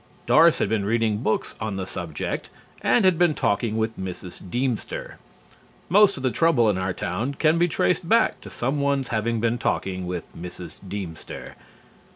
Doris had been reading books on the subject, and had been talking with Mrs. Deemster. Most of the trouble in our town can be traced back to someone's having been talking with Mrs. Deemster.